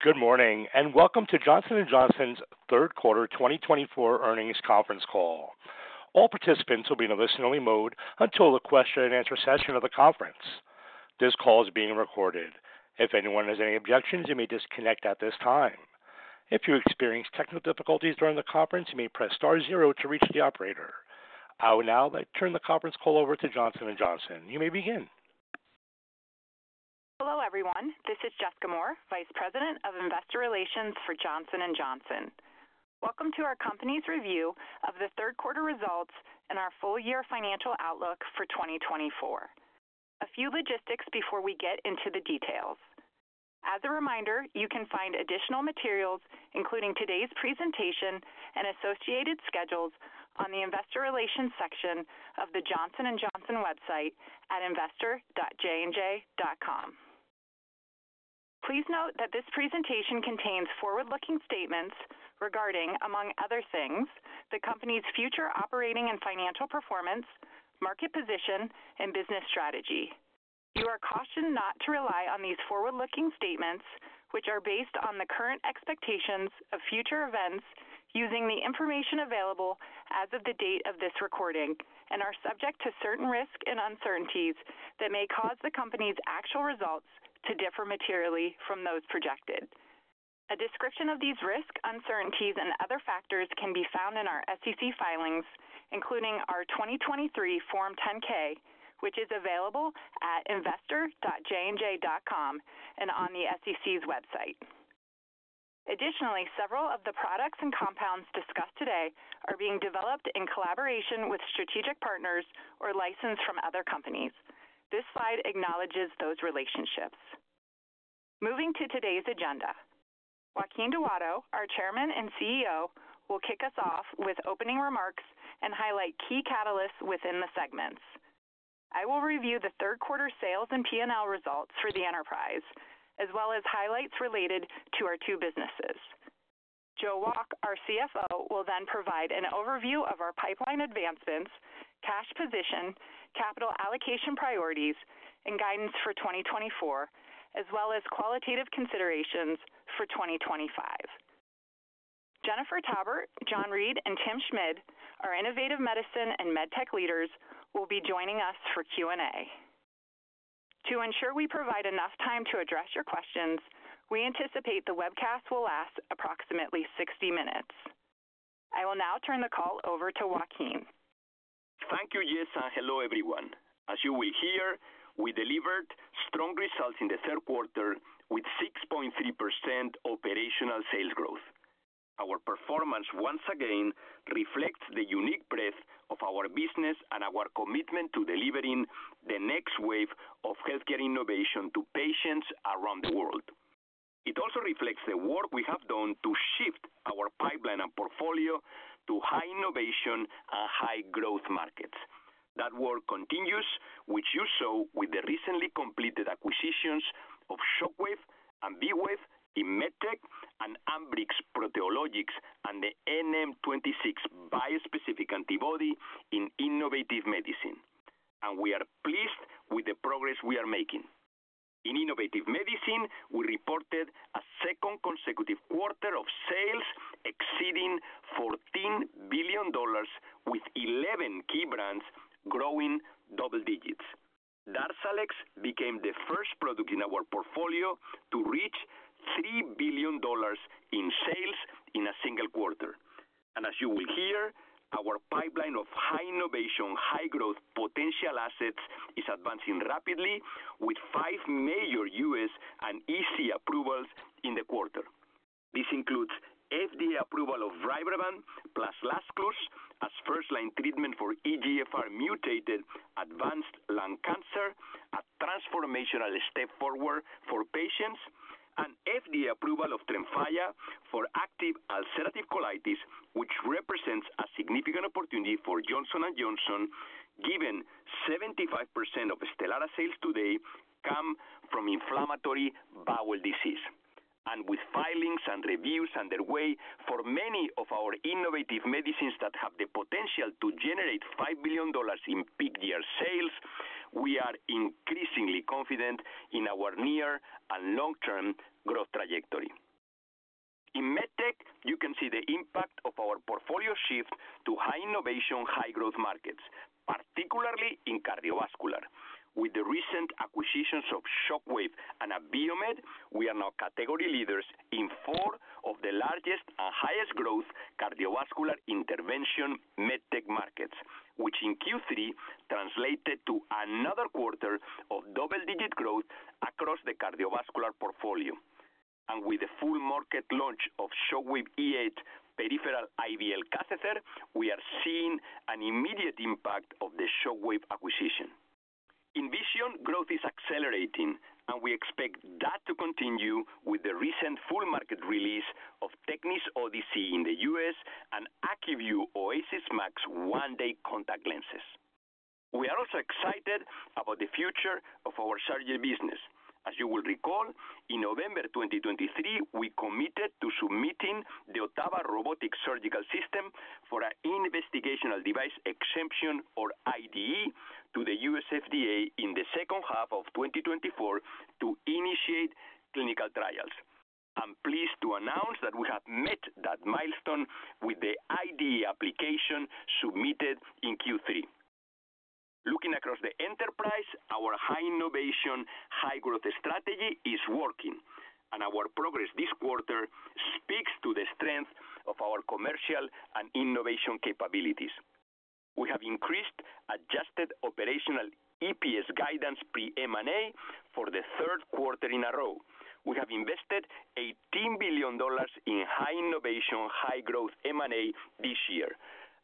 Good morning and welcome to Johnson & Johnson's Q3 2024 Earnings Conference Call. All participants will be in a listen-only mode until the question-and-answer session of the conference. This call is being recorded. If anyone has any objections, you may disconnect at this time. If you experience technical difficulties during the conference, you may press star zero to reach the operator. I will now turn the conference call over to Johnson & Johnson. You may begin. Hello, everyone. This is Jessica Moore, Vice President of Investor Relations for Johnson & Johnson. Welcome to our company's review of the Q3 results and our full-year financial outlook for 2024. A few logistics before we get into the details. As a reminder, you can find additional materials, including today's presentation and associated schedules, on the Investor Relations section of the Johnson & Johnson website at investor.jnj.com. Please note that this presentation contains forward-looking statements regarding, among other things, the company's future operating and financial performance, market position, and business strategy. You are cautioned not to rely on these forward-looking statements, which are based on the current expectations of future events using the information available as of the date of this recording and are subject to certain risks and uncertainties that may cause the company's actual results to differ materially from those projected. A description of these risks, uncertainties, and other factors can be found in our SEC filings, including our 2023 Form 10-K, which is available at investor.jnj.com and on the SEC's website. Additionally, several of the products and compounds discussed today are being developed in collaboration with strategic partners or licensed from other companies. This slide acknowledges those relationships. Moving to today's agenda, Joaquin Duato, our Chairman and CEO, will kick us off with opening remarks and highlight key catalysts within the segments. I will review the Q3 sales and P&L results for the enterprise, as well as highlights related to our two businesses. Joe Wolk, our CFO, will then provide an overview of our pipeline advancements, cash position, capital allocation priorities, and guidance for 2024, as well as qualitative considerations for 2025. Jennifer Taubert, John Reed, and Tim Schmid, our Innovative Medicine and MedTech leaders, will be joining us for Q&A. To ensure we provide enough time to address your questions, we anticipate the webcast will last approximately 60 minutes. I will now turn the call over to Joaquin. Thank you, Jess, and hello, everyone. As you will hear, we delivered strong results in the Q3 with 6.3% operational sales growth. Our performance, once again, reflects the unique breadth of our business and our commitment to delivering the next wave of healthcare innovation to patients around the world. It also reflects the work we have done to shift our pipeline and portfolio to high innovation and high growth markets. That work continues, which you saw with the recently completed acquisitions of Shockwave and V-Wave in MedTech and Ambrx, Proteologix and the NM26 bispecific antibody in Innovative Medicine, and we are pleased with the progress we are making. In Innovative Medicine, we reported a second consecutive quarter of sales exceeding $14 billion, with 11 key brands growing double digits. Darzalex became the first product in our portfolio to reach $3 billion in sales in a single quarter. And as you will hear, our pipeline of high innovation, high growth potential assets is advancing rapidly, with five major U.S. and EC approvals in the quarter. This includes FDA approval of Rybrevant plus Lazcluze as first-line treatment for EGFR-mutated advanced lung cancer, a transformational step forward for patients, and FDA approval of Tremfya for active ulcerative colitis, which represents a significant opportunity for Johnson & Johnson, given 75% of Stelara sales today come from inflammatory bowel disease. And with filings and reviews underway for many of our innovative medicines that have the potential to generate $5 billion in peak year sales, we are increasingly confident in our near and long-term growth trajectory. In MedTech, you can see the impact of our portfolio shift to high innovation, high growth markets, particularly in cardiovascular. With the recent acquisitions of Shockwave and Abiomed, we are now category leaders in four of the largest and highest-growth cardiovascular intervention MedTech markets, which in Q3 translated to another quarter of double-digit growth across the cardiovascular portfolio. With the full market launch of Shockwave E8 peripheral IVL catheter, we are seeing an immediate impact of the Shockwave acquisition. In Vision, growth is accelerating, and we expect that to continue with the recent full market release of Tecnis Odyssey in the U.S. and Acuvue Oasys Max 1-Day contact lenses. We are also excited about the future of our surgery business. As you will recall, in November 2023, we committed to submitting the Ottava Robotic Surgical System for an investigational device exemption, or IDE, to the U.S. FDA in the H2 of 2024 to initiate clinical trials. I'm pleased to announce that we have met that milestone with the IDE application submitted in Q3. Looking across the enterprise, our high innovation, high growth strategy is working, and our progress this quarter speaks to the strength of our commercial and innovation capabilities. We have increased adjusted operational EPS guidance pre-M&A for the Q3 in a row. We have invested $18 billion in high innovation, high growth M&A this year.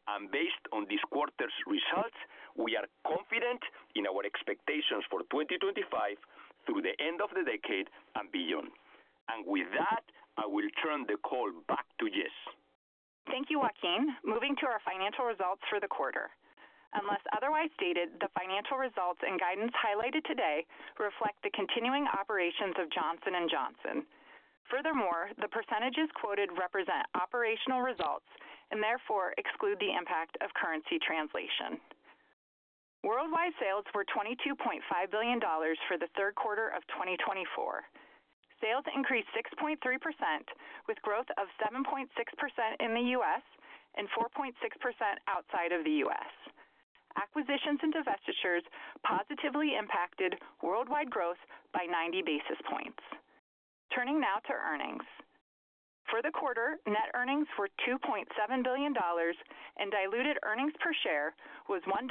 And based on this quarter's results, we are confident in our expectations for 2025 through the end of the decade and beyond. And with that, I will turn the call back to Jess. Thank you, Joaquin. Moving to our financial results for the quarter. Unless otherwise stated, the financial results and guidance highlighted today reflect the continuing operations of Johnson & Johnson. Furthermore, the percentages quoted represent operational results and therefore exclude the impact of currency translation. Worldwide sales were $22.5 billion for the Q3 of 2024. Sales increased 6.3%, with growth of 7.6% in the U.S. and 4.6% outside of the U.S. Acquisitions and divestitures positively impacted worldwide growth by 90 basis points. Turning now to earnings. For the quarter, net earnings were $2.7 billion, and diluted earnings per share was $1.11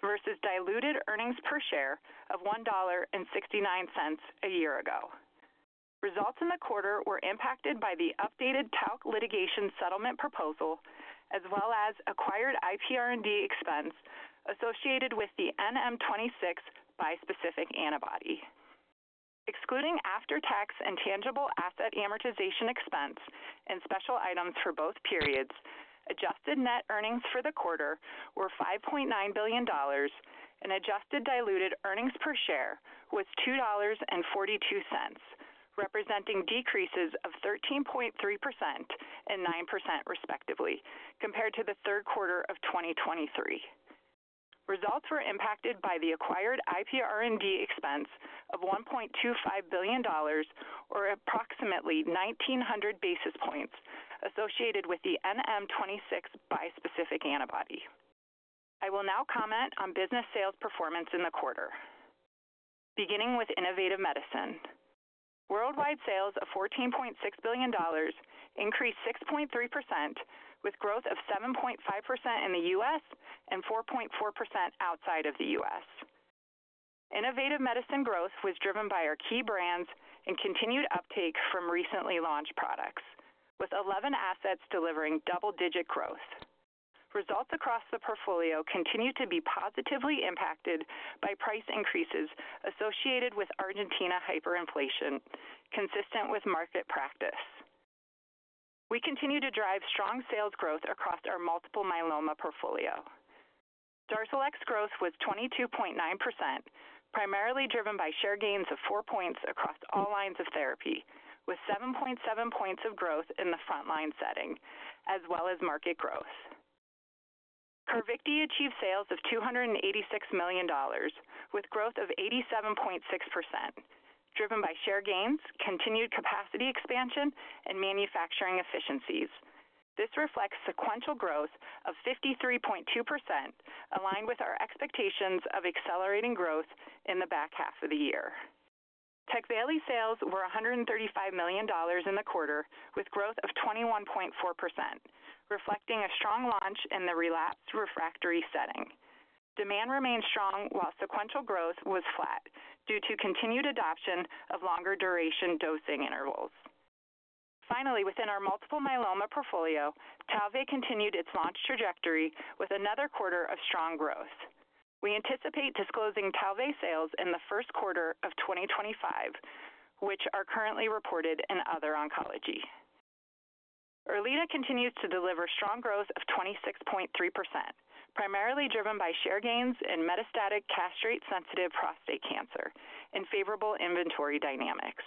versus diluted earnings per share of $1.69 a year ago. Results in the quarter were impacted by the updated talc litigation settlement proposal, as well as acquired IPR&D expense associated with the NM26 bispecific antibody. Excluding after-tax and tangible asset amortization expense and special items for both periods, adjusted net earnings for the quarter were $5.9 billion, and adjusted diluted earnings per share was $2.42, representing decreases of 13.3% and 9%, respectively, compared to the Q3 of 2023. Results were impacted by the acquired IPR&D expense of $1.25 billion, or approximately 1,900 basis points, associated with the NM26 bispecific antibody. I will now comment on business sales performance in the quarter, beginning with innovative medicine. Worldwide sales of $14.6 billion increased 6.3%, with growth of 7.5% in the U.S. and 4.4% outside of the U.S. Innovative medicine growth was driven by our key brands and continued uptake from recently launched products, with 11 assets delivering double-digit growth. Results across the portfolio continue to be positively impacted by price increases associated with Argentina hyperinflation, consistent with market practice. We continue to drive strong sales growth across our multiple myeloma portfolio. Darzalex growth was 22.9%, primarily driven by share gains of four points across all lines of therapy, with 7.7 points of growth in the front-line setting, as well as market growth. Carvykti achieved sales of $286 million, with growth of 87.6%, driven by share gains, continued capacity expansion, and manufacturing efficiencies. This reflects sequential growth of 53.2%, aligned with our expectations of accelerating growth in the back half of the year. Tecvayli sales were $135 million in the quarter, with growth of 21.4%, reflecting a strong launch in the relapsed refractory setting. Demand remained strong while sequential growth was flat due to continued adoption of longer-duration dosing intervals. Finally, within our multiple myeloma portfolio, Talvey continued its launch trajectory with another quarter of strong growth. We anticipate disclosing Talvey sales in the Q1 of 2025, which are currently reported in other oncology. Erleada continues to deliver strong growth of 26.3%, primarily driven by share gains in metastatic castration-sensitive prostate cancer and favorable inventory dynamics.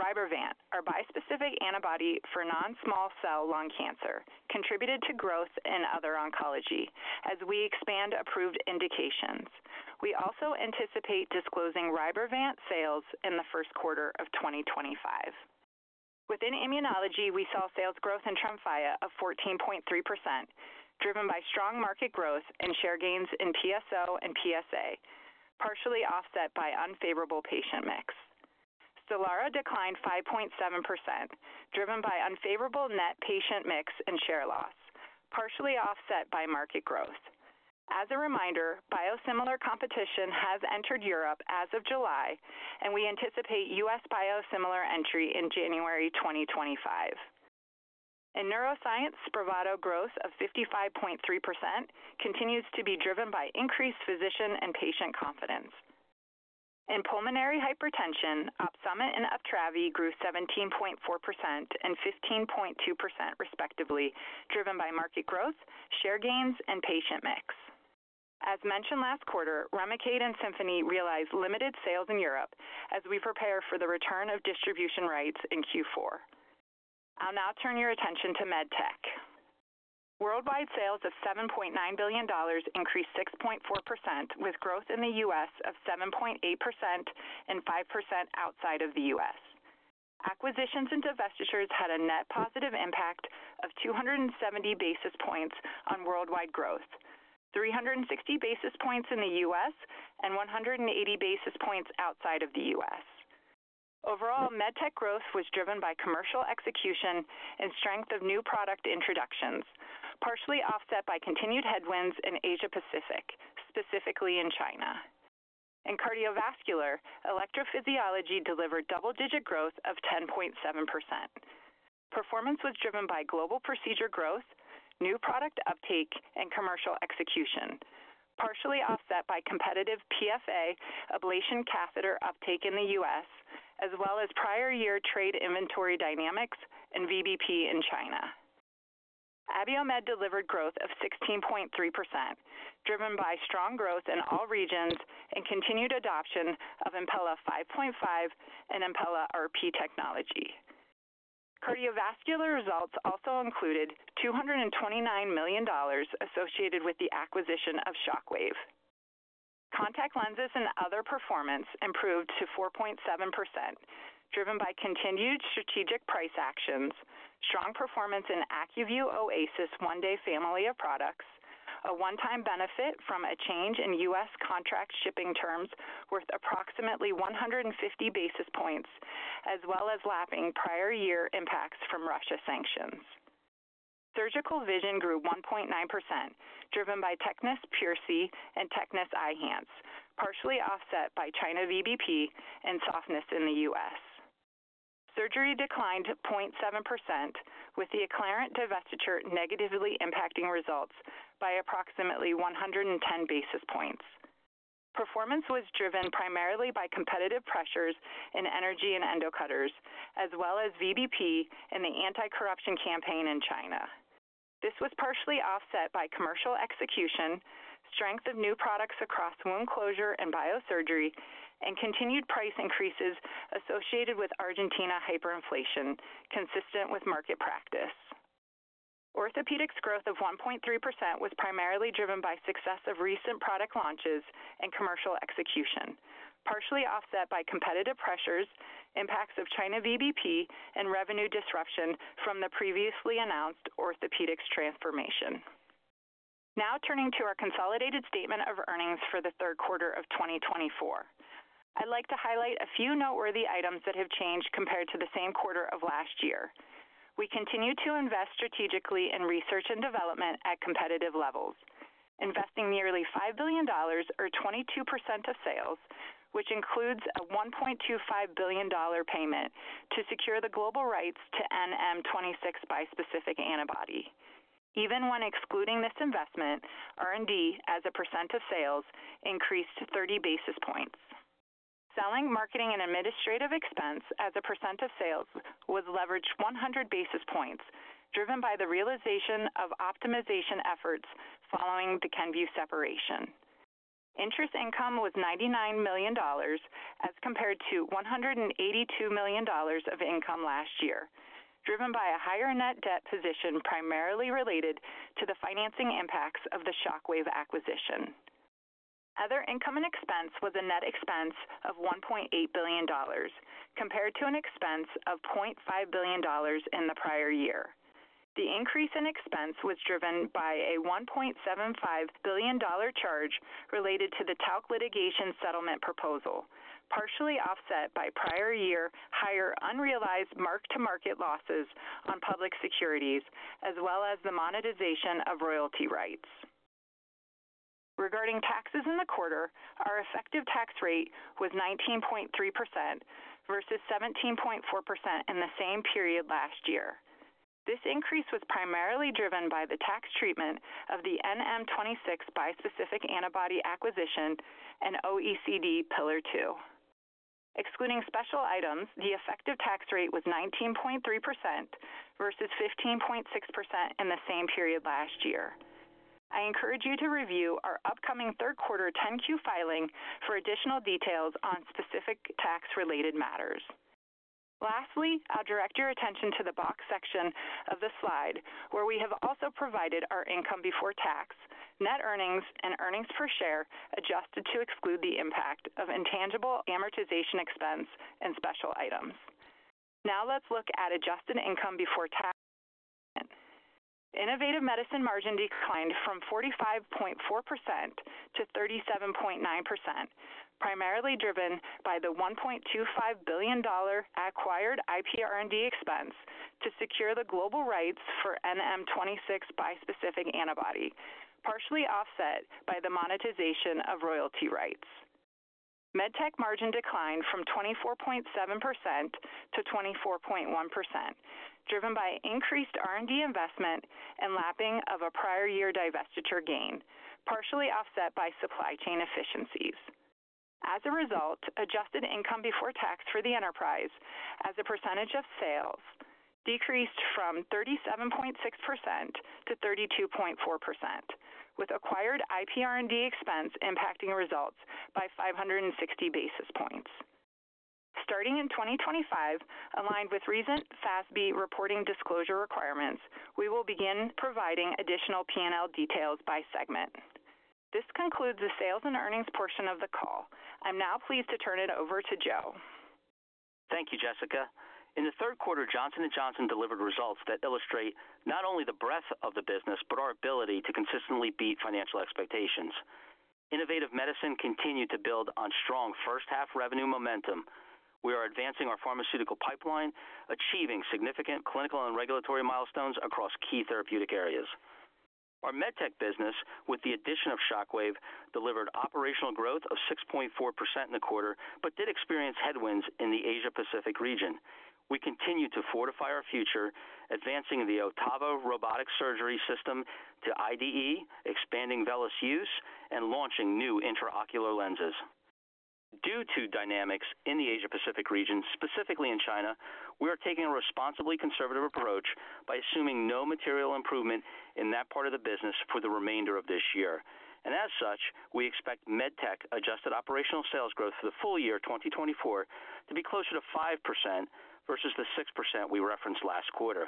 Rybrevant, our bispecific antibody for non-small cell lung cancer, contributed to growth in other oncology as we expand approved indications. We also anticipate disclosing Rybrevant sales in the Q1 of 2025. Within immunology, we saw sales growth in Tremfya of 14.3%, driven by strong market growth and share gains in PSO and PSA, partially offset by unfavorable patient mix. Stelara declined 5.7%, driven by unfavorable net patient mix and share loss, partially offset by market growth. As a reminder, biosimilar competition has entered Europe as of July, and we anticipate U.S. biosimilar entry in January 2025. In neuroscience, Spravato growth of 55.3% continues to be driven by increased physician and patient confidence. In pulmonary hypertension, Opsumit and Simponi grew 17.4% and 15.2%, respectively, driven by market growth, share gains, and patient mix. As mentioned last quarter, Remicade and Simponi realized limited sales in Europe as we prepare for the return of distribution rights in Q4. I'll now turn your attention to MedTech. Worldwide sales of $7.9 billion increased 6.4%, with growth in the U.S. of 7.8% and 5% outside of the U.S. Acquisitions and divestitures had a net positive impact of 270 basis points on worldwide growth, 360 basis points in the U.S. and 180 basis points outside of the U.S. Overall, MedTech growth was driven by commercial execution and strength of new product introductions, partially offset by continued headwinds in Asia-Pacific, specifically in China. In cardiovascular, electrophysiology delivered double-digit growth of 10.7%. Performance was driven by global procedure growth, new product uptake, and commercial execution, partially offset by competitive PFA ablation catheter uptake in the US, as well as prior-year trade inventory dynamics and VBP in China. Abiomed delivered growth of 16.3%, driven by strong growth in all regions and continued adoption of Impella 5.5 and Impella RP technology. Cardiovascular results also included $229 million associated with the acquisition of Shockwave. Contact lenses and other performance improved to 4.7%, driven by continued strategic price actions, strong performance in Acuvue Oasys one-day family of products, a one-time benefit from a change in US contract shipping terms worth approximately 150 basis points, as well as lapping prior-year impacts from Russia sanctions. Surgical vision grew 1.9%, driven by Tecnis PureSee and Tecnis Eyhance, partially offset by China VBP and softness in the US. Surgery declined 0.7%, with the Acclarent divestiture negatively impacting results by approximately 110 basis points. Performance was driven primarily by competitive pressures in energy and endocutters, as well as VBP and the anti-corruption campaign in China. This was partially offset by commercial execution, strength of new products across wound closure and biosurgery, and continued price increases associated with Argentina hyperinflation, consistent with market practice. Orthopedics growth of 1.3% was primarily driven by success of recent product launches and commercial execution, partially offset by competitive pressures, impacts of China VBP, and revenue disruption from the previously announced orthopedics transformation. Now turning to our consolidated statement of earnings for the Q3 of 2024, I'd like to highlight a few noteworthy items that have changed compared to the same quarter of last year. We continue to invest strategically in research and development at competitive levels, investing nearly $5 billion, or 22% of sales, which includes a $1.25 billion payment to secure the global rights to NM26 bispecific antibody. Even when excluding this investment, R&D as a percent of sales increased 30 basis points. Selling, marketing, and administrative expense as a percent of sales was leveraged 100 basis points, driven by the realization of optimization efforts following the Kenvue separation. Interest income was $99 million, as compared to $182 million of income last year, driven by a higher net debt position primarily related to the financing impacts of the Shockwave acquisition. Other income and expense was a net expense of $1.8 billion, compared to an expense of $0.5 billion in the prior year. The increase in expense was driven by a $1.75 billion charge related to the talc litigation settlement proposal, partially offset by prior-year higher unrealized mark-to-market losses on public securities, as well as the monetization of royalty rights. Regarding taxes in the quarter, our effective tax rate was 19.3% versus 17.4% in the same period last year. This increase was primarily driven by the tax treatment of the NM26 bispecific antibody acquisition and OECD Pillar Two. Excluding special items, the effective tax rate was 19.3% versus 15.6% in the same period last year. I encourage you to review our upcoming Q3 10-Q filing for additional details on specific tax-related matters. Lastly, I'll direct your attention to the box section of the slide, where we have also provided our income before tax, net earnings, and earnings per share adjusted to exclude the impact of intangible amortization expense and special items. Now let's look at adjusted income before tax. Innovative Medicine margin declined from 45.4% to 37.9%, primarily driven by the $1.25 billion acquired IPR&D expense to secure the global rights for NM26 bispecific antibody, partially offset by the monetization of royalty rights. MedTech margin declined from 24.7% to 24.1%, driven by increased R&D investment and lapping of a prior-year divestiture gain, partially offset by supply chain efficiencies. As a result, adjusted income before tax for the enterprise as a percentage of sales decreased from 37.6% to 32.4%, with acquired IPR&D expense impacting results by 560 basis points. Starting in 2025, aligned with recent FASB reporting disclosure requirements, we will begin providing additional P&L details by segment. This concludes the sales and earnings portion of the call. I'm now pleased to turn it over to Joe. Thank you, Jessica. In the Q3, Johnson & Johnson delivered results that illustrate not only the breadth of the business but our ability to consistently beat financial expectations. Innovative Medicine continued to build on strong H1 revenue momentum. We are advancing our pharmaceutical pipeline, achieving significant clinical and regulatory milestones across key therapeutic areas. Our MedTech business, with the addition of Shockwave, delivered operational growth of 6.4% in the quarter but did experience headwinds in the Asia-Pacific region. We continue to fortify our future, advancing the Ottava Robotic Surgery system to IDE, expanding VELYS use, and launching new intraocular lenses. Due to dynamics in the Asia-Pacific region, specifically in China, we are taking a responsibly conservative approach by assuming no material improvement in that part of the business for the remainder of this year. As such, we expect MedTech adjusted operational sales growth for the full year 2024 to be closer to 5% versus the 6% we referenced last quarter.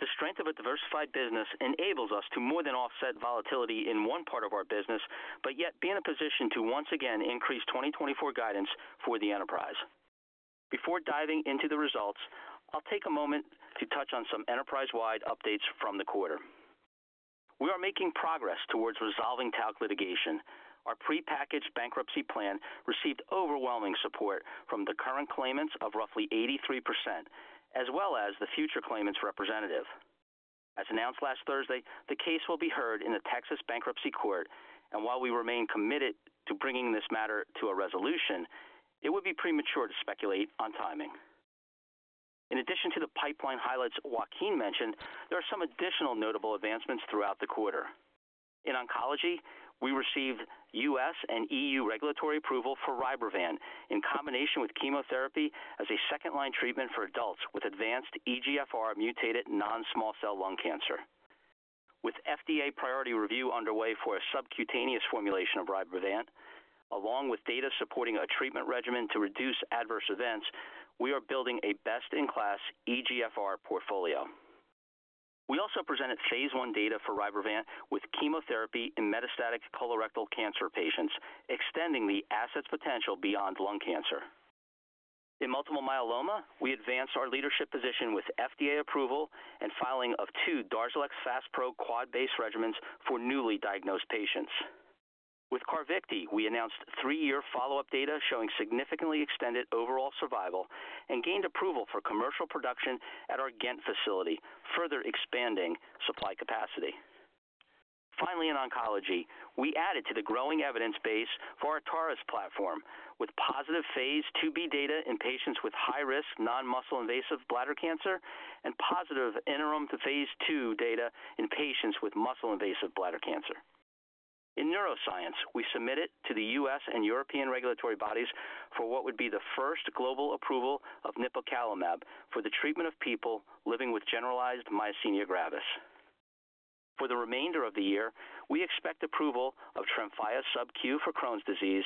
The strength of a diversified business enables us to more than offset volatility in one part of our business, but yet be in a position to once again increase 2024 guidance for the enterprise. Before diving into the results, I'll take a moment to touch on some enterprise-wide updates from the quarter. We are making progress towards resolving Talc Litigation. Our prepackaged bankruptcy plan received overwhelming support from the current claimants of roughly 83%, as well as the future claimants' representative. As announced last Thursday, the case will be heard in the Texas Bankruptcy Court, and while we remain committed to bringing this matter to a resolution, it would be premature to speculate on timing. In addition to the pipeline highlights Joaquin mentioned, there are some additional notable advancements throughout the quarter. In oncology, we received U.S. and EU regulatory approval for Rybrevant in combination with chemotherapy as a second-line treatment for adults with advanced EGFR-mutated non-small cell lung cancer. With FDA priority review underway for a subcutaneous formulation of Rybrevant, along with data supporting a treatment regimen to reduce adverse events, we are building a best-in-class EGFR portfolio. We also presented phase I data for Rybrevant with chemotherapy in metastatic colorectal cancer patients, extending the asset's potential beyond lung cancer. In multiple myeloma, we advanced our leadership position with FDA approval and filing of two Darzalex Faspro quad-based regimens for newly diagnosed patients. With Carvykti, we announced three-year follow-up data showing significantly extended overall survival and gained approval for commercial production at our Ghent facility, further expanding supply capacity. Finally, in oncology, we added to the growing evidence base for our TARIS platform with positive phase IIB data in patients with high-risk non-muscle-invasive bladder cancer and positive interim phase II data in patients with muscle-invasive bladder cancer. In neuroscience, we submitted to the US and European regulatory bodies for what would be the first global approval of nipocalamab for the treatment of people living with generalized myasthenia gravis. For the remainder of the year, we expect approval of Tremfya sub-Q for Crohn's disease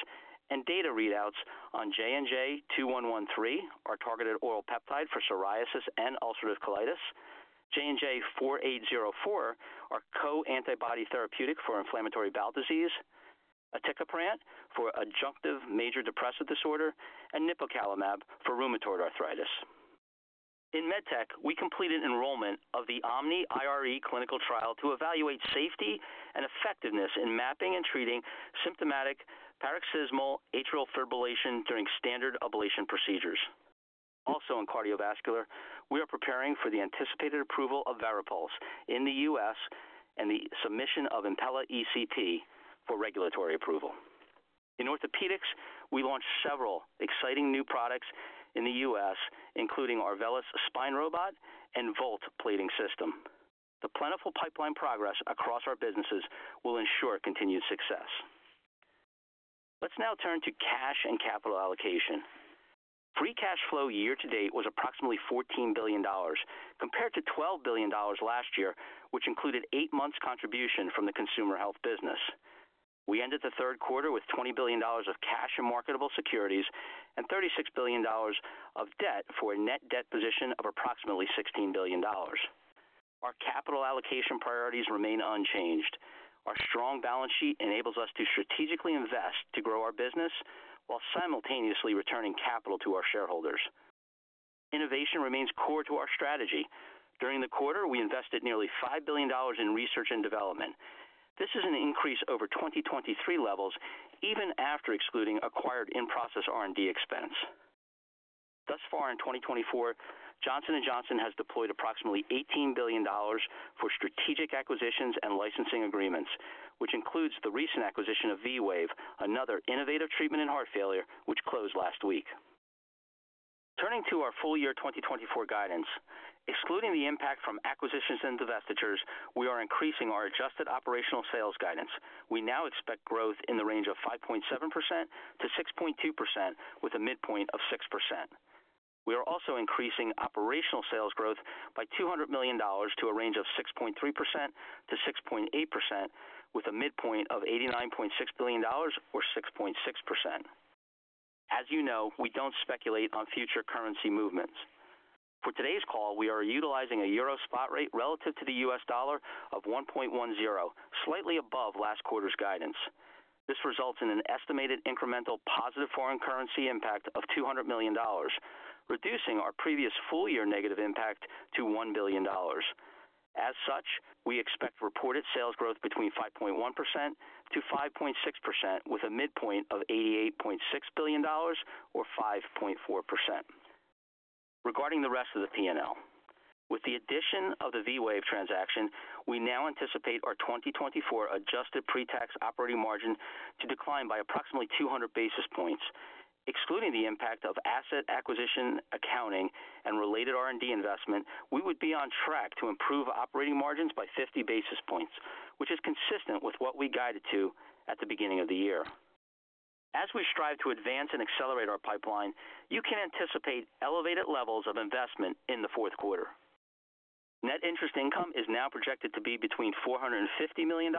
and data readouts on JNJ-2113, our targeted oral peptide for psoriasis and ulcerative colitis, JNJ-4804, our co-antibody therapeutic for inflammatory bowel disease, Aticapran for adjunctive major depressive disorder, and nipocalamab for rheumatoid arthritis. In medtech, we completed enrollment of the Omny-IRE clinical trial to evaluate safety and effectiveness in mapping and treating symptomatic paroxysmal atrial fibrillation during standard ablation procedures. Also, in cardiovascular, we are preparing for the anticipated approval of Varipulse in the U.S. and the submission of Impella ECP for regulatory approval. In orthopedics, we launched several exciting new products in the U.S., including our VELYS spine robot and VOLT plating system. The plentiful pipeline progress across our businesses will ensure continued success. Let's now turn to cash and capital allocation. Free cash flow year-to-date was approximately $14 billion, compared to $12 billion last year, which included eight months' contribution from the consumer health business. We ended the Q3 with $20 billion of cash and marketable securities and $36 billion of debt for a net debt position of approximately $16 billion. Our capital allocation priorities remain unchanged. Our strong balance sheet enables us to strategically invest to grow our business while simultaneously returning capital to our shareholders. Innovation remains core to our strategy. During the quarter, we invested nearly $5 billion in research and development. This is an increase over 2023 levels, even after excluding acquired in-process R&D expense. Thus far in 2024, Johnson & Johnson has deployed approximately $18 billion for strategic acquisitions and licensing agreements, which includes the recent acquisition of V-Wave, another innovative treatment in heart failure, which closed last week. Turning to our full-year 2024 guidance, excluding the impact from acquisitions and divestitures, we are increasing our adjusted operational sales guidance. We now expect growth in the range of 5.7%-6.2%, with a midpoint of 6%. We are also increasing operational sales growth by $200 million to a range of 6.3%-6.8%, with a midpoint of $89.6 billion, or 6.6%. As you know, we don't speculate on future currency movements. For today's call, we are utilizing a EUR spot rate relative to the USD of 1.10, slightly above last quarter's guidance. This results in an estimated incremental positive foreign currency impact of $200 million, reducing our previous full-year negative impact to $1 billion. As such, we expect reported sales growth between 5.1%-5.6%, with a midpoint of $88.6 billion, or 5.4%. Regarding the rest of the P&L, with the addition of the V-Wave transaction, we now anticipate our 2024 adjusted pre-tax operating margin to decline by approximately 200 basis points. Excluding the impact of asset acquisition, accounting, and related R&D investment, we would be on track to improve operating margins by 50 basis points, which is consistent with what we guided to at the beginning of the year. As we strive to advance and accelerate our pipeline, you can anticipate elevated levels of investment in the Q4. Net interest income is now projected to be between $450 and $550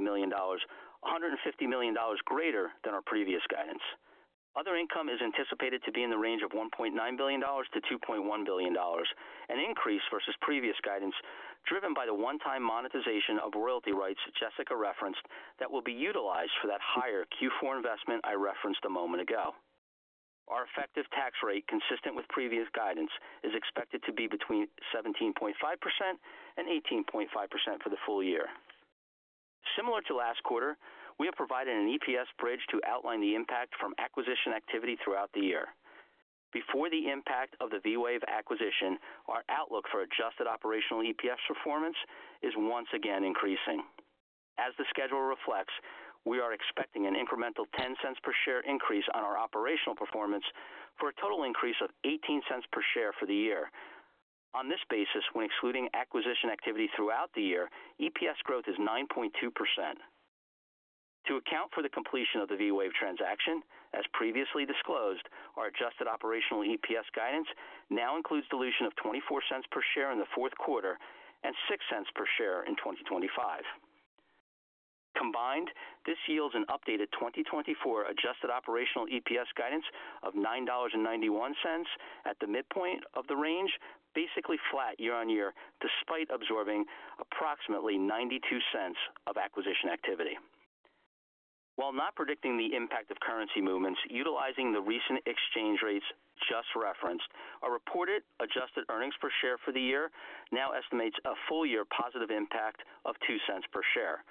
million, $150 million greater than our previous guidance. Other income is anticipated to be in the range of $1.9 billion to $2.1 billion, an increase versus previous guidance driven by the one-time monetization of royalty rights Jessica referenced that will be utilized for that higher Q4 investment I referenced a moment ago. Our effective tax rate, consistent with previous guidance, is expected to be between 17.5% and 18.5% for the full year. Similar to last quarter, we have provided an EPS bridge to outline the impact from acquisition activity throughout the year. Before the impact of the V-Wave acquisition, our outlook for adjusted operational EPS performance is once again increasing. As the schedule reflects, we are expecting an incremental $0.10 per share increase on our operational performance for a total increase of $0.18 per share for the year. On this basis, when excluding acquisition activity throughout the year, EPS growth is 9.2%. To account for the completion of the V-Wave transaction, as previously disclosed, our adjusted operational EPS guidance now includes dilution of $0.24 per share in the Q4 and $0.06 per share in 2025. Combined, this yields an updated 2024 adjusted operational EPS guidance of $9.91 at the midpoint of the range, basically flat year-on-year despite absorbing approximately $0.92 of acquisition activity. While not predicting the impact of currency movements, utilizing the recent exchange rates just referenced, our reported adjusted earnings per share for the year now estimates a full-year positive impact of $0.02 per share.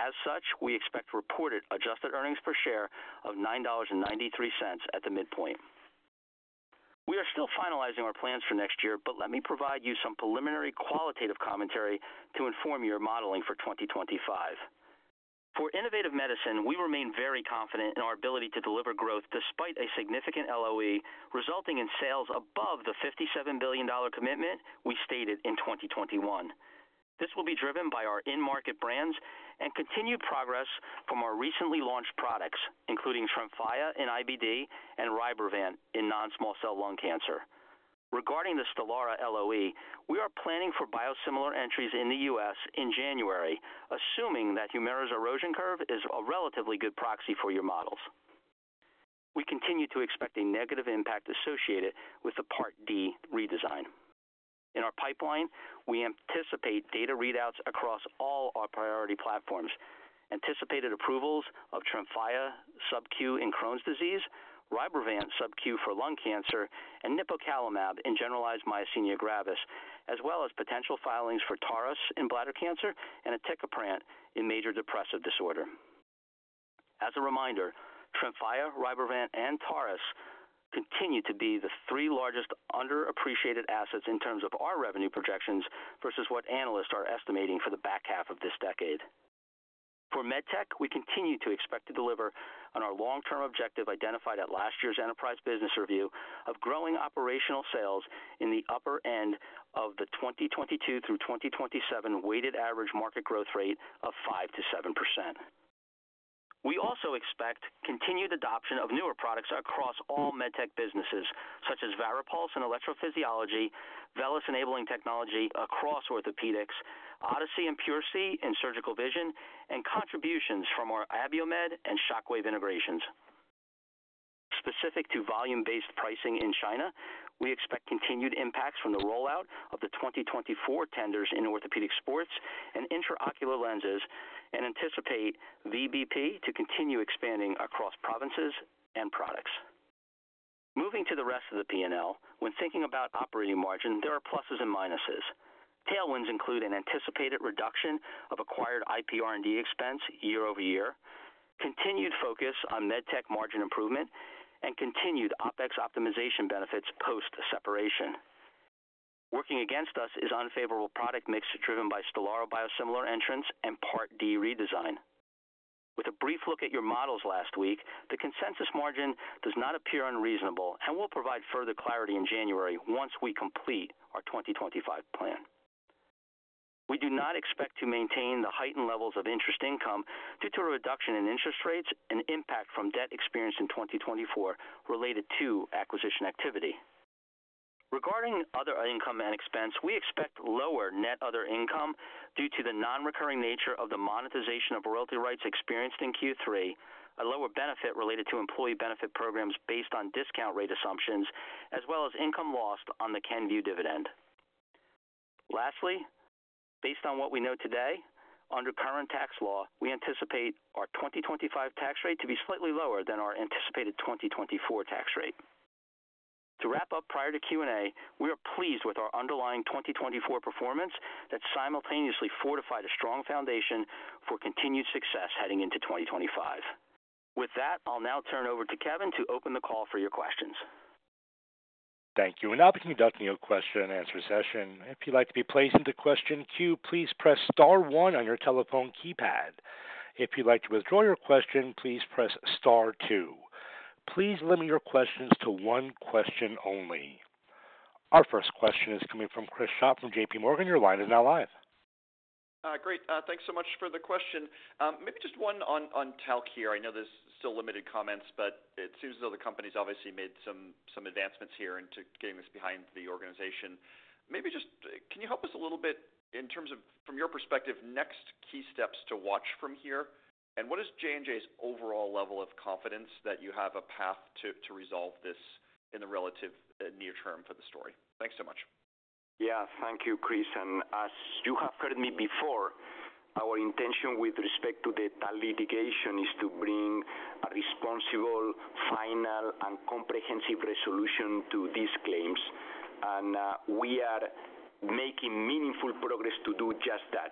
As such, we expect reported adjusted earnings per share of $9.93 at the midpoint. We are still finalizing our plans for next year, but let me provide you some preliminary qualitative commentary to inform your modeling for 2025. For innovative medicine, we remain very confident in our ability to deliver growth despite a significant LOE resulting in sales above the $57 billion commitment we stated in 2021. This will be driven by our in-market brands and continued progress from our recently launched products, including Tremfya in IBD and Rybrevant in non-small cell lung cancer. Regarding the Stelara LOE, we are planning for biosimilar entries in the U.S. in January, assuming that Humira's erosion curve is a relatively good proxy for your models. We continue to expect a negative impact associated with the Part D redesign. In our pipeline, we anticipate data readouts across all our priority platforms, anticipated approvals of Tremfya sub-Q in Crohn's disease, Rybrevant sub-Q for lung cancer, and Nipocalamab in generalized myasthenia gravis, as well as potential filings for TARIS in bladder cancer and Aticapran in major depressive disorder. As a reminder, Tremfya, Rybrevant, and TARIS continue to be the three largest underappreciated assets in terms of our revenue projections versus what analysts are estimating for the back half of this decade. For medtech, we continue to expect to deliver on our long-term objective identified at last year's enterprise business review of growing operational sales in the upper end of the 2022 through 2027 weighted average market growth rate of 5%-7%. We also expect continued adoption of newer products across all MedTech businesses, such as Varipulse in electrophysiology, VELYS enabling technology across orthopedics, Odyssey and PureSee in surgical vision, and contributions from our Abiomed and Shockwave integrations. Specific to volume-based pricing in China, we expect continued impacts from the rollout of the 2024 tenders in orthopedic sports and intraocular lenses and anticipate VBP to continue expanding across provinces and products. Moving to the rest of the P&L, when thinking about operating margin, there are pluses and minuses. Tailwinds include an anticipated reduction of acquired IPR&D expense year-over-year, continued focus on MedTech margin improvement, and continued OpEx optimization benefits post-separation. Working against us is unfavorable product mix driven by Stelara biosimilar entrants and Part D Redesign. With a brief look at your models last week, the consensus margin does not appear unreasonable and will provide further clarity in January once we complete our 2025 plan. We do not expect to maintain the heightened levels of interest income due to a reduction in interest rates and impact from debt experienced in 2024 related to acquisition activity. Regarding other income and expense, we expect lower net other income due to the non-recurring nature of the monetization of royalty rights experienced in Q3, a lower benefit related to employee benefit programs based on discount rate assumptions, as well as income lost on the Kenvue dividend. Lastly, based on what we know today, under current tax law, we anticipate our 2025 tax rate to be slightly lower than our anticipated 2024 tax rate. To wrap up prior to Q&A, we are pleased with our underlying 2024 performance that simultaneously fortified a strong foundation for continued success heading into 2025. With that, I'll now turn over to Kevin to open the call for your questions. Thank you. And now we can conduct a question-and-answer session. If you'd like to be placed into question queue, please press Star one on your telephone keypad. If you'd like to withdraw your question, please press Star two. Please limit your questions to one question only. Our first question is coming from Chris Schott from JPMorgan. Your line is now live. Great. Thanks so much for the question. Maybe just one on talc here. I know there's still limited comments, but it seems as though the company's obviously made some advancements here into getting this behind the organization. Maybe just can you help us a little bit in terms of, from your perspective, next key steps to watch from here? And what is J&J's overall level of confidence that you have a path to resolve this in the relative near term for the story? Thanks so much. Yeah, thank you, Chris. And as you have heard me before, our intention with respect to the litigation is to bring a responsible, final, and comprehensive resolution to these claims. And we are making meaningful progress to do just that.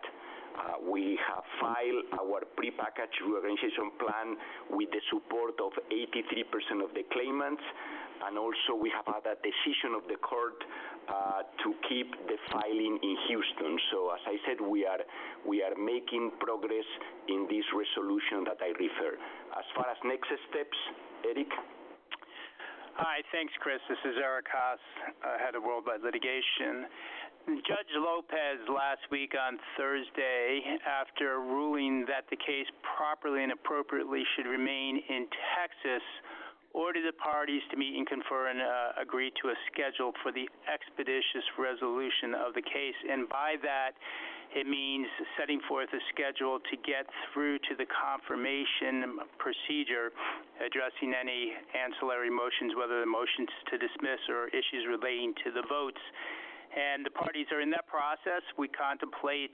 We have filed our pre-package reorganization plan with the support of 83% of the claimants. And also, we have had a decision of the court to keep the filing in Houston. So, as I said, we are making progress in this resolution that I refer. As far as next steps, Erik. Hi, thanks, Chris. This is Erik Haas, head of Worldwide Litigation. Judge Lopez, last week on Thursday, after ruling that the case properly and appropriately should remain in Texas, ordered the parties to meet and confer and agree to a schedule for the expeditious resolution of the case. And by that, it means setting forth a schedule to get through to the confirmation procedure addressing any ancillary motions, whether the motions to dismiss or issues relating to the votes. And the parties are in that process. We contemplate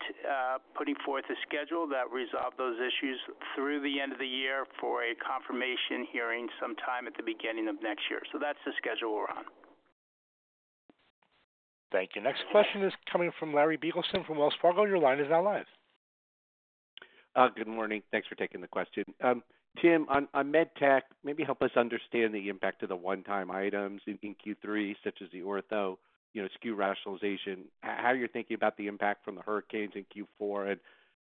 putting forth a schedule that resolves those issues through the end of the year for a confirmation hearing sometime at the beginning of next year. So that's the schedule we're on. Thank you. Next question is coming from Larry Biegelsen from Wells Fargo. Your line is now live. Good morning. Thanks for taking the question. Tim, on MedTech, maybe help us understand the impact of the one-time items in Q3, such as the ortho SKU rationalization, how you're thinking about the impact from the hurricanes in Q4, and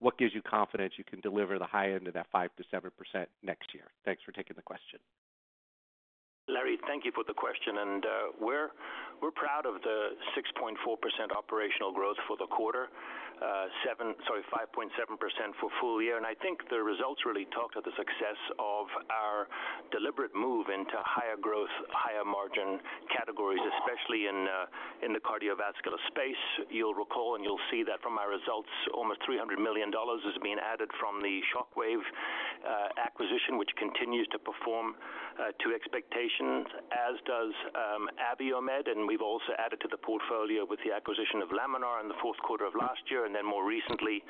what gives you confidence you can deliver the high end of that 5%-7% next year. Thanks for taking the question. Larry, thank you for the question. We're proud of the 6.4% operational growth for the quarter, sorry, 5.7% for full year. I think the results really talk to the success of our deliberate move into higher growth, higher margin categories, especially in the cardiovascular space. You'll recall, and you'll see that from our results, almost $300 million has been added from the Shockwave acquisition, which continues to perform to expectations, as does Abiomed. And we've also added to the portfolio with the acquisition of Laminar in the Q4 of last year, and then more recently,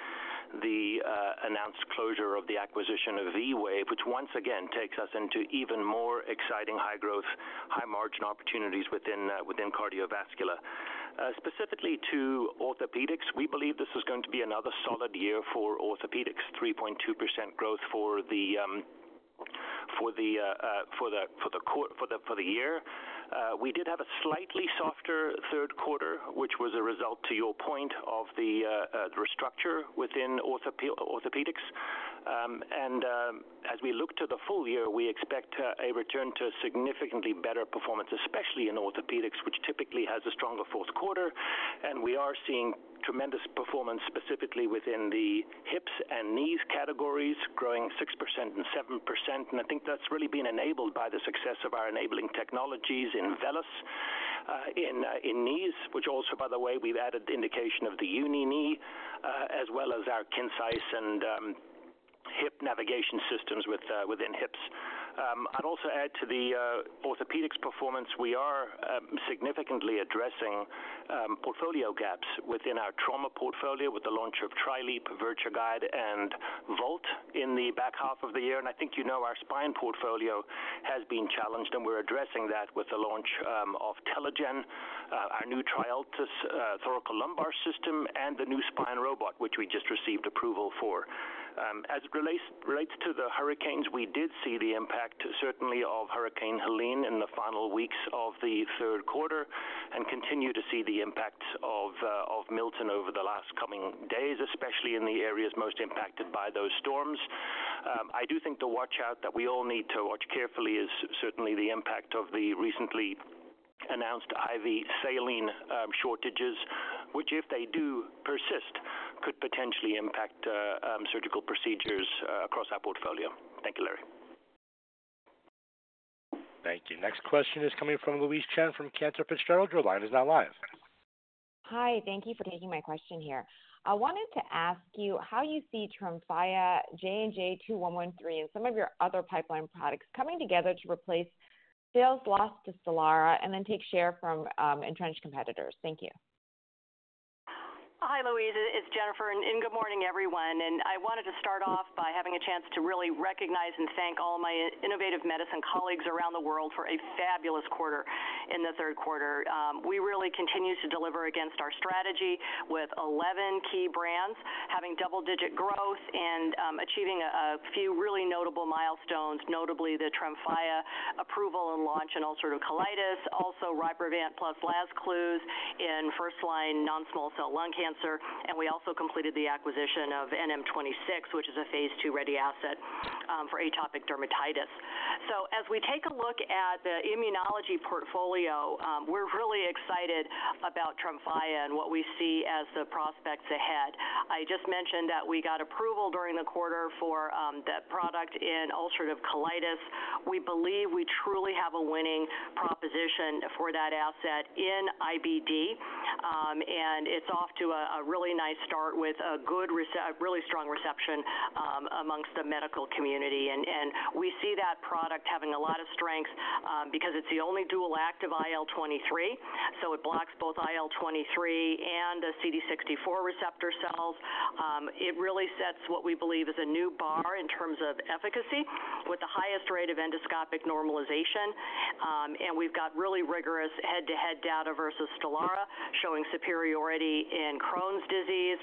the announced closure of the acquisition of V-Wave, which once again takes us into even more exciting high-growth, high-margin opportunities within cardiovascular. Specifically to orthopedics, we believe this is going to be another solid year for orthopedics, 3.2% growth for the year. We did have a slightly softer Q3, which was a result, to your point, of the restructure within orthopedics. And as we look to the full year, we expect a return to significantly better performance, especially in orthopedics, which typically has a stronger Q4. And we are seeing tremendous performance specifically within the hips and knees categories, growing 6% and 7%. And I think that's really been enabled by the success of our enabling technologies in VELYS in knees, which also, by the way, we've added the indication of the uni knee, as well as our KINCISE and hip navigation systems within hips. I'd also add to the orthopedics performance, we are significantly addressing portfolio gaps within our trauma portfolio with the launch of TriLEAP, VirtuGuide, and VOLT in the back half of the year. And I think you know our spine portfolio has been challenged, and we're addressing that with the launch of Teligen, our new trial thoracolumbar system, and the new spine robot, which we just received approval for. As it relates to the hurricanes, we did see the impact, certainly, of Hurricane Helene in the final weeks of the Q3 and continue to see the impact of Milton over the last coming days, especially in the areas most impacted by those storms. I do think the watch-out that we all need to watch carefully is certainly the impact of the recently announced IV saline shortages, which, if they do persist, could potentially impact surgical procedures across our portfolio. Thank you, Larry. Thank you. Next question is coming from Louise Chen from Cantor Fitzgerald. Your line is now live. Hi, thank you for taking my question here. I wanted to ask you how you see Tremfya, J&J 2113, and some of your other pipeline products coming together to replace sales lost to Stelara and then take share from entrenched competitors. Thank you. Hi, Louise. It's Jennifer. Good morning, everyone. I wanted to start off by having a chance to really recognize and thank all my innovative medicine colleagues around the world for a fabulous quarter in the Q3. We really continue to deliver against our strategy with 11 key brands, having double-digit growth and achieving a few really notable milestones, notably the Tremfya approval and launch in ulcerative colitis, also Rybrevant plus Lazcluze in first-line non-small cell lung cancer. And we also completed the acquisition of NM26, which is a phase II ready asset for atopic dermatitis. So, as we take a look at the immunology portfolio, we're really excited about Tremfya and what we see as the prospects ahead. I just mentioned that we got approval during the quarter for that product in ulcerative colitis. We believe we truly have a winning proposition for that asset in IBD. It's off to a really nice start with a really strong reception among the medical community. We see that product having a lot of strength because it's the only dual-active IL-23. It blocks both IL-23 and the CD64 receptor cells. It really sets what we believe is a new bar in terms of efficacy with the highest rate of endoscopic normalization. We've got really rigorous head-to-head data versus Stelara showing superiority in Crohn's disease.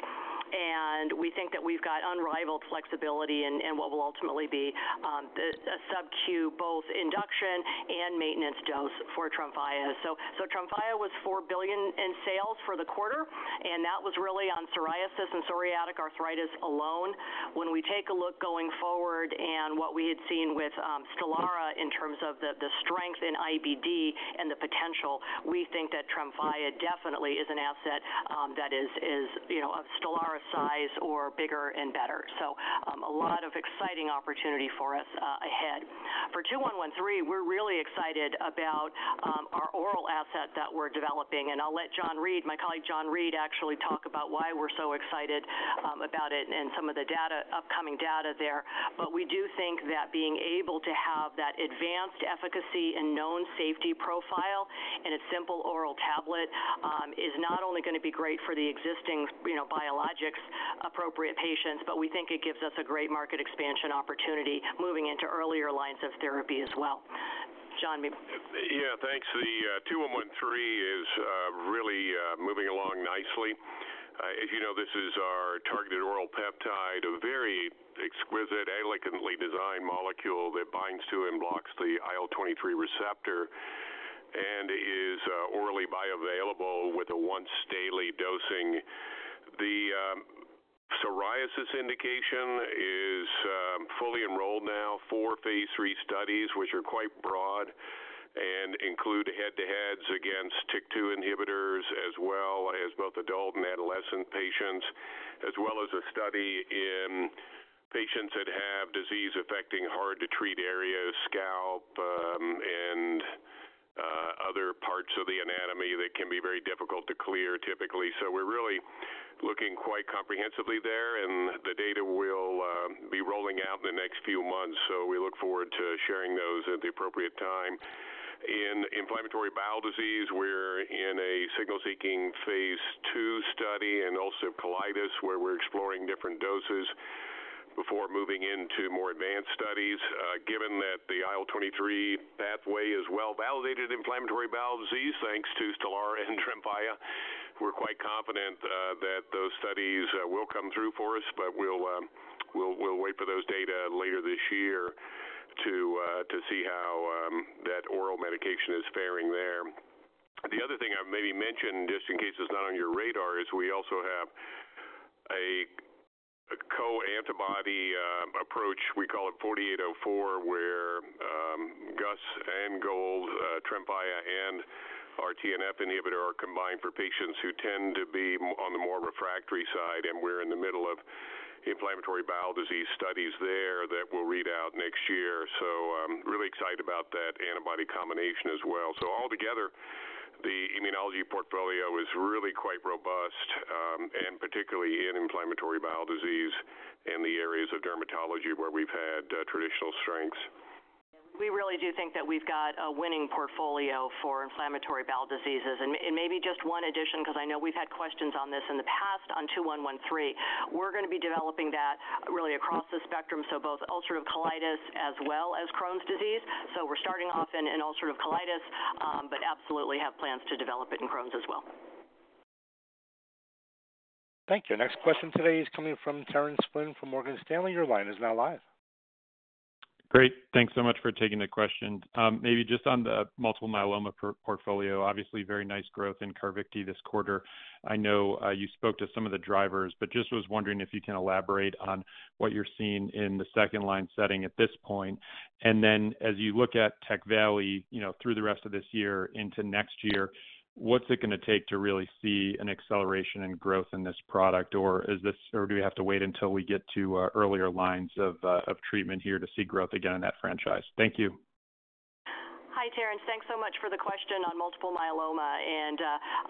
We think that we've got unrivaled flexibility in what will ultimately be a sub-Q both induction and maintenance dose for Tremfya. Tremfya was $4 billion in sales for the quarter. That was really on psoriasis and psoriatic arthritis alone. When we take a look going forward and what we had seen with Stelara in terms of the strength in IBD and the potential, we think that Tremfya definitely is an asset that is of Stelara size or bigger and better. So, a lot of exciting opportunity for us ahead. For 2113, we're really excited about our oral asset that we're developing. And I'll let John Reed, my colleague John Reed, actually talk about why we're so excited about it and some of the upcoming data there. But we do think that being able to have that advanced efficacy and known safety profile in a simple oral tablet is not only going to be great for the existing biologics-appropriate patients, but we think it gives us a great market expansion opportunity moving into earlier lines of therapy as well. John. Yeah, thanks. The 2113 is really moving along nicely. As you know, this is our targeted oral peptide, a very exquisite, elegantly designed molecule that binds to and blocks the IL-23 receptor and is orally bioavailable with a once-daily dosing. The psoriasis indication is fully enrolled now for phase III studies, which are quite broad and include head-to-heads against TYK2 inhibitors as well as both adult and adolescent patients, as well as a study in patients that have disease affecting hard-to-treat areas, scalp, and other parts of the anatomy that can be very difficult to clear typically. So, we're really looking quite comprehensively there. And the data will be rolling out in the next few months. So, we look forward to sharing those at the appropriate time. In inflammatory bowel disease, we're in a signal-seeking phase II study and ulcerative colitis where we're exploring different doses before moving into more advanced studies. Given that the IL-23 pathway is well-validated in inflammatory bowel disease thanks to Stelara and Tremfya, we're quite confident that those studies will come through for us, but we'll wait for those data later this year to see how that oral medication is faring there. The other thing I maybe mentioned, just in case it's not on your radar, is we also have a co-antibody approach. We call it 4804, where GUS and Gol, Tremfya, and our TNF inhibitor are combined for patients who tend to be on the more refractory side, and we're in the middle of inflammatory bowel disease studies there that we'll read out next year, so really excited about that antibody combination as well, so altogether, the immunology portfolio is really quite robust, and particularly in inflammatory bowel disease in the areas of dermatology where we've had traditional strengths. We really do think that we've got a winning portfolio for inflammatory bowel diseases, and maybe just one addition, because I know we've had questions on this in the past on 2113, we're going to be developing that really across the spectrum, so both ulcerative colitis as well as Crohn's disease. So, we're starting off in ulcerative colitis, but absolutely have plans to develop it in Crohn's as well. Thank you. Next question today is coming from Terrence Flynn from Morgan Stanley. Your line is now live. Great. Thanks so much for taking the question. Maybe just on the multiple myeloma portfolio, obviously very nice growth in Carvykti this quarter. I know you spoke to some of the drivers, but just was wondering if you can elaborate on what you're seeing in the second-line setting at this point. And then, as you look at Tecvayli through the rest of this year into next year, what's it going to take to really see an acceleration in growth in this product? Or do we have to wait until we get to earlier lines of treatment here to see growth again in that franchise? Thank you. Hi, Terrence. Thanks so much for the question on multiple myeloma. And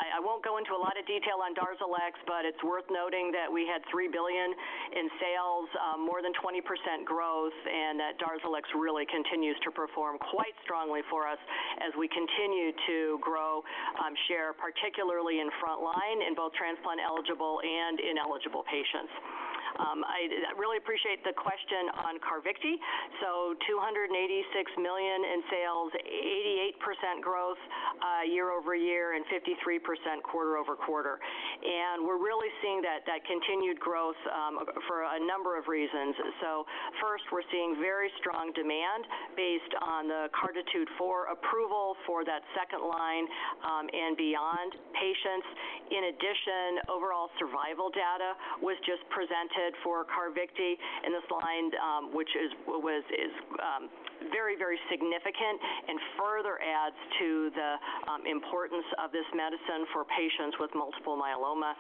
I won't go into a lot of detail on Darzalex, but it's worth noting that we had $3 billion in sales, more than 20% growth, and that Darzalex really continues to perform quite strongly for us as we continue to grow share, particularly in front line in both transplant-eligible and ineligible patients. I really appreciate the question on Carvykti. So, $286 million in sales, 88% growth year over year and 53% quarter-over-quarter. And we're really seeing that continued growth for a number of reasons. So, first, we're seeing very strong demand based on the CARTITUDE IV approval for that second line and beyond patients. In addition, overall survival data was just presented for Carvykti in this line, which is very, very significant and further adds to the importance of this medicine for patients with multiple myeloma.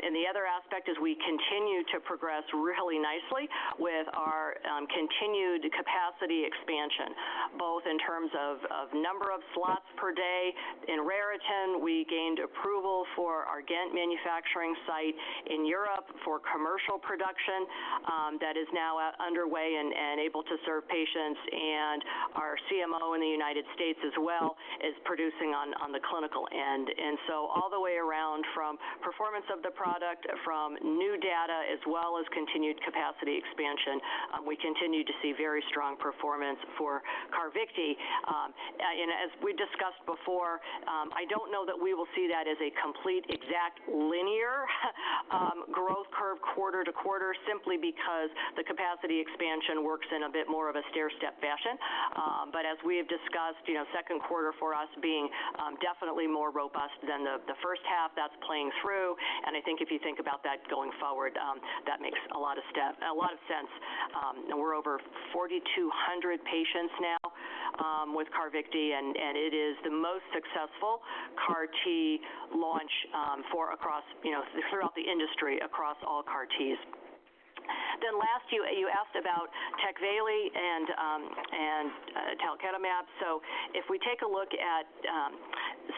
And the other aspect is we continue to progress really nicely with our continued capacity expansion, both in terms of number of slots per day. In Raritan, we gained approval for our Ghent manufacturing site in Europe for commercial production that is now underway and able to serve patients. And our CMO in the United States as well is producing on the clinical end. And so, all the way around from performance of the product, from new data as well as continued capacity expansion, we continue to see very strong performance for Carvykti. And as we discussed before, I don't know that we will see that as a complete, exact linear growth curve quarter-to-quarter simply because the capacity expansion works in a bit more of a stair-step fashion. But as we have discussed, Q2 for us being definitely more robust than the H1, that's playing through. And I think if you think about that going forward, that makes a lot of sense. And we're over 4,200 patients now with Carvykti. And it is the most successful CAR-T launch throughout the industry across all CAR-Ts. Then last, you asked about Tecvayli and Talvey. So, if we take a look at